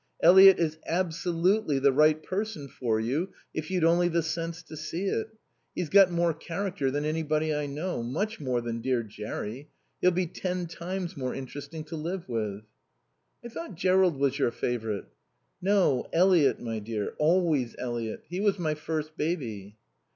Eliot is absolutely the right person for you, if you'd only the sense to see it. He's got more character than anybody I know. Much more than dear Jerry. He'll be ten times more interesting to live with." "I thought Jerrold was your favourite." "No, Eliot, my dear. Always Eliot. He was my first baby."